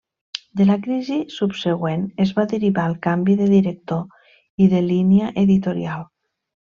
De la crisi subsegüent es va derivar el canvi de director i de línia editorial.